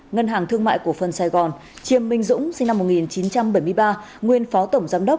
ngân hàng thương mại cổ phân sài gòn chiêm minh dũng sinh năm một nghìn chín trăm bảy mươi ba nguyên phó tổng giám đốc